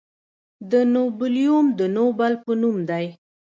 د نوبلیوم د نوبل په نوم دی.